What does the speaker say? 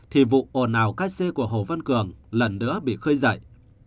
thì vụ ồn ào ca xe của hồ văn cường lần nữa bị khơi dậy